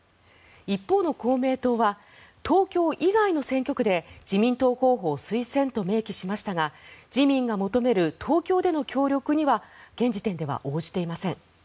一方の公明党は東京以外の選挙区で自民党候補を推薦と明記しましたが自民が求める東京での協力には現時点では応じていません。